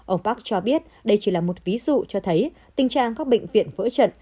ông park cho biết đây chỉ là một ví dụ cho thấy tình trạng các bệnh viện vỡ trận